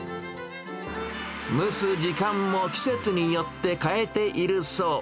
蒸す時間も季節によって変えているそう。